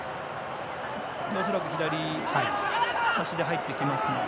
恐らく左足で入ってきますので。